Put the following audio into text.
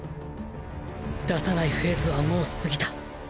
出さないフェーズはもう過ぎた。